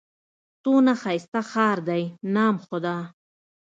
څونه ښايسته ښار دئ! نام خدا!